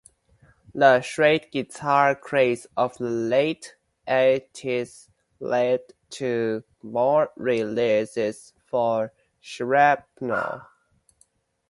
The shred guitar craze of the late eighties led to more releases for Shrapnel.